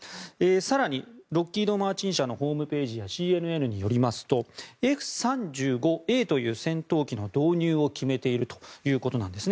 更に、ロッキードマーチン社のホームページやＣＮＮによりますとＦ３５Ａという戦闘機の導入を決めているということなんです。